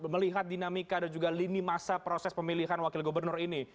melihat dinamika dan juga lini masa proses pemilihan wakil gubernur ini